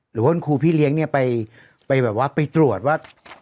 หรือว่าคุณพี่เลี้ยงเนี่ยไปตรวจว่า